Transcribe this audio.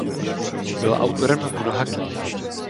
Byl autorem mnoha knih.